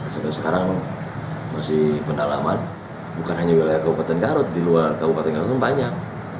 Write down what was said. sampai sekarang masih pendalaman bukan hanya wilayah kabupaten garut di luar kabupaten garut banyak